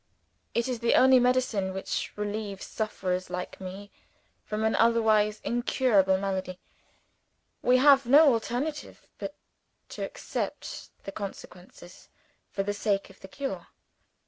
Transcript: It is the only medicine which relieves sufferers like me from an otherwise incurable malady. We have no alternative but to accept the consequences for the sake of the cure."